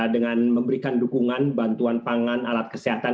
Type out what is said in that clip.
dengan memberikan dukungan bantuan pangan alat kesehatan